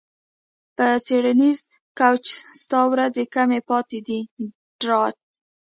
په څیړنیز کوچ ستا ورځې کمې پاتې دي ډارت